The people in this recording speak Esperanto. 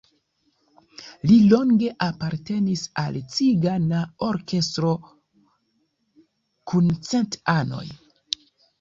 Li longe apartenis al "Cigana Orkestro kun cent anoj".